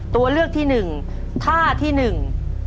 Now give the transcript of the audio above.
ตัวเลือกที่หนึ่งท่าที่หนึ่ง